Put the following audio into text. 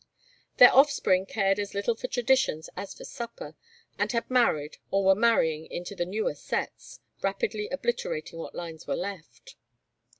Their offspring cared as little for traditions as for supper, and had married or were marrying into the newer sets, rapidly obliterating what lines were left.